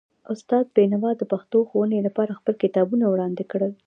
استاد بینوا د پښتو ښوونې لپاره خپل کتابونه وړاندې کړل.